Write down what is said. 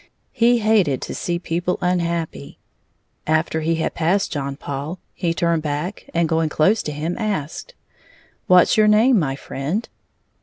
He hated to see people unhappy. After he had passed John Paul, he turned back and going close to him, asked: "What's your name, my friend?"